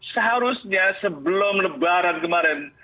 seharusnya sebelum lebaran kemarin